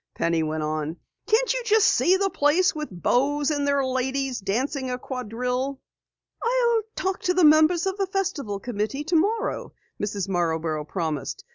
Penny went on. "Can't you just see the place with beaux and their ladies dancing a quadrille?" "I'll talk to the members of the Festival Committee tomorrow," Mrs. Marborough promised.